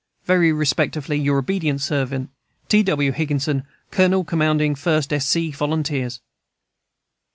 Very respectfully, your obedient servant, T, W. HIGGINSON, Colonel commanding 1st S. C. Volunteers.